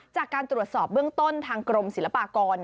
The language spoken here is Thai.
จากการตรวจสอบเบื้องต้นทางกรมศิลปากร